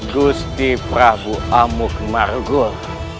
gusti prabu amuk marugul